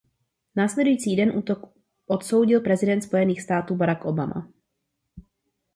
Následující den útok odsoudil prezident spojených států Barack Obama.